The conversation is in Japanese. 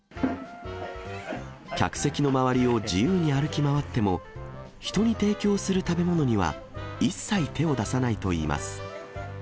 客席の周りを自由に歩き回っても、人に提供する食べ物には一切手を出さないといいます。